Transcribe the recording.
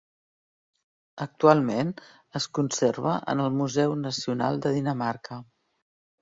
Actualment, es conserva en el Museu Nacional de Dinamarca.